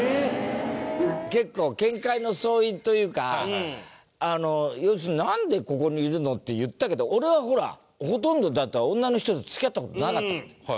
結構見解の相違というか要するに「なんでここにいるの？」って言ったけど俺はほらほとんど女の人と付き合った事なかったわけ。